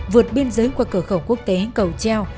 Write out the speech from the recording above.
vượt biên giới qua cửa khẩu quốc tế cầu treo